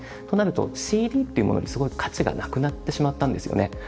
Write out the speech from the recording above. となるとＣＤっていうものにすごい価値がなくなってしまったんですよね。